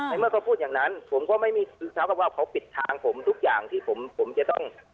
เมื่อเขาพูดอย่างนั้นผมก็ไม่มีสภาพเขาปิดทางผมทุกอย่างที่ผมจะต้อง